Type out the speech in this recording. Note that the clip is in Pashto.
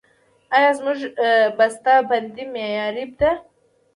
آیا زموږ بسته بندي معیاري ده؟